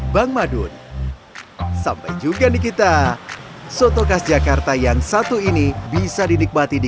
bang madun sampai juga nih kita soto khas jakarta yang satu ini bisa dinikmati di